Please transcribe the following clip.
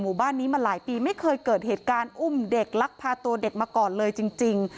หมู่บ้านนี้มาหลายปีไม่เคยเกิดเหตุการณ์อุ้มเด็กลักพาตัวเด็กมาก่อนเลยจริง